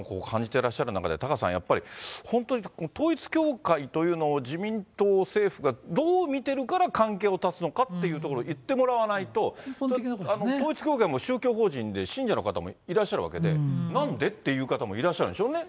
てらっしゃる中で、タカさん、やっぱり、本当に統一教会というのを自民党、政府がどう見てるから関係を断つのかっていうところ、言ってもらわないと、統一教会も宗教法人で信者の方もいらっしゃるわけで、なんでっていう方もいらっしゃるでしょうね。